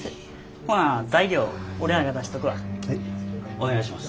お願いします。